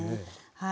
はい。